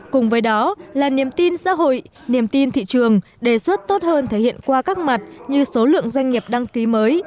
cùng với đó là niềm tin xã hội niềm tin thị trường đề xuất tốt hơn thể hiện qua các mặt như số lượng doanh nghiệp đăng ký mới